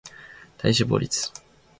体脂肪率